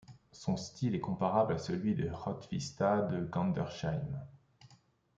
Son style est comparable à celui de Hrotsvita de Gandersheim.